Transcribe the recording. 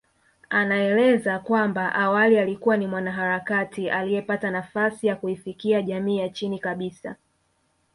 Anaeleza kwamba awali alikuwa ni mwanaharakati aliyepata nafasi ya kuifikia jamii ya chini kabisa